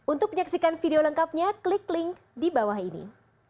untuk menyaksikan video lengkapnya klik link di bawah ini